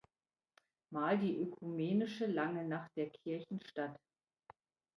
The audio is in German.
Mal die ökumenische „Lange Nacht der Kirchen“ statt.